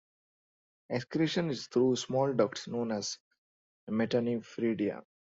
Excretion is through small ducts known as metanephridia.